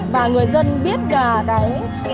và người dân biết cả cái